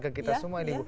ke kita semua